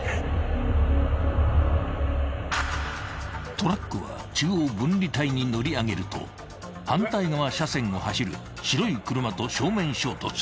［トラックは中央分離帯に乗り上げると反対側車線を走る白い車と正面衝突］